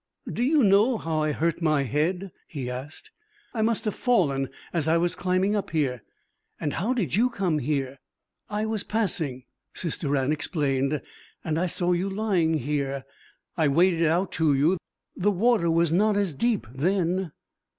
'Do you know how I hurt my head?' he asked. 'I must have fallen as I was climbing up here. And how did you come here?' 'I was passing,' Sister Anne explained, 'and I saw you lying here. I waded out to you. The water was not as deep then.